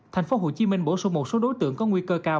thành phố hồ chí minh bổ sung một số đối tượng có nguy cơ cao